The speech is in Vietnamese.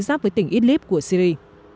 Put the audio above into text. giáp với tỉnh idlib của syri